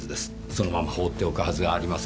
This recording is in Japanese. そのまま放っておくはずがありません。